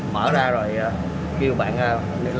mở ra rồi kêu bạn